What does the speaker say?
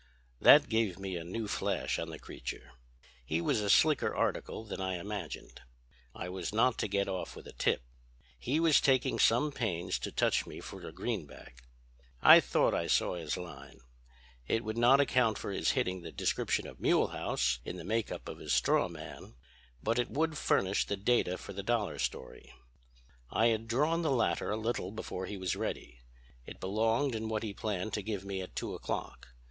"That gave me a new flash on the creature. He was a slicker article than I imagined. I was not to get off with a tip. He was taking some pains to touch me for a greenback. I thought I saw his line. It would not account for his hitting the description of Mulehaus in the make up of his straw man, but it would furnish the data for the dollar story. I had drawn the latter a little before he was ready. It belonged in what he planned to give me at two o'clock.